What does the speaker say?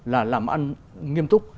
là làm ăn nghiêm túc